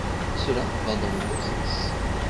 Cela va dans le bon sens.